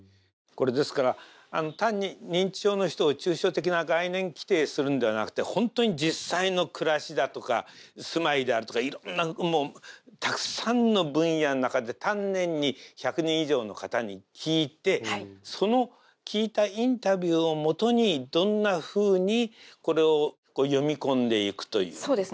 これですから単に認知症の人を抽象的な概念規定するんではなくて本当に実際の暮らしだとか住まいであるとかいろんなもうたくさんの分野の中で丹念に１００人以上の方に聞いてその聞いたインタビューを基にどんなふうにこれを読み込んでいくという。